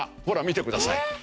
ほら見てください。